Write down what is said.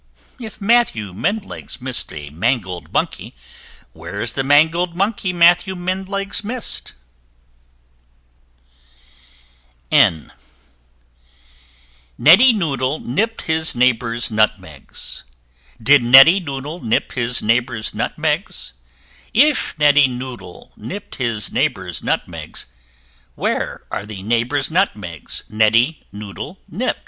If Matthew Mendlegs miss'd a mangled Monkey, Where's the mangled Monkey Matthew Mendlegs miss'd? N n [Illustration: Neddy Noodle] Neddy Noodle nipp'd his neighbour's Nutmegs; Did Neddy Noodle nip his neighbour's Nutmegs? If Neddy Noodle nipp'd his neighbour's Nutmegs, Where are the neighbour's Nutmegs Neddy Noodle nipp'd?